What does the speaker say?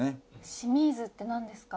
シミーズって何ですか？